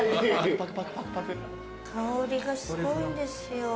香りがすごいんですよ。